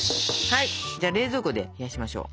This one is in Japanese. はいじゃあ冷蔵庫で冷やしましょう。